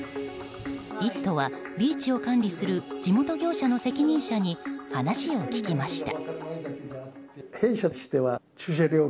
「イット！」はビーチを管理する地元業者の責任者に話を聞きました。